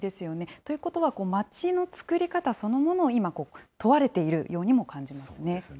ということは、街のつくり方そのものを今、問われているようにも感じますね。